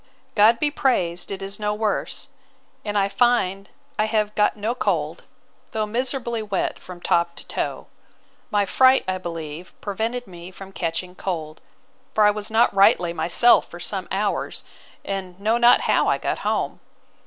'God be praised it is no worse! And I find I have got no cold, though miserably wet from top to toe. My fright, I believe, prevented me from catching cold: for I was not rightly myself for some hours, and know not how I got home.